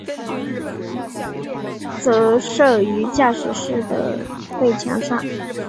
则设于驾驶室的背墙上。